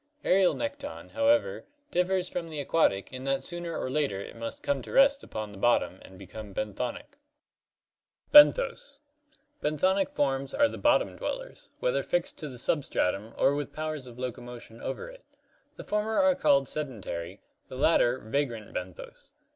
Aerial nekton, however, differs from the aquatic in that sooner or later it must come to rest upon the bottom and become benthonic. Benthos (Gr. fte'vOos, depths of the sea). — Benthonic forms are the bottom dwellers, whether fixed to the substratum or with powers of locomotion over it. The former are called sedentary, the latter vagrant benthos.